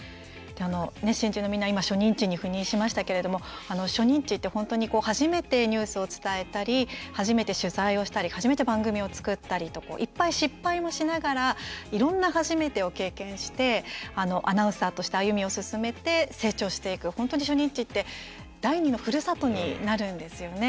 新人のみんな今、初任地に赴任しましたけれども初任地って本当に初めてニュースを伝えたり初めて取材をしたり初めて番組を作ったりといっぱい失敗もしながらいろんな初めてを経験してアナウンサーとして歩みを進めて成長していく、本当に初任地って第２のふるさとになるんですよね。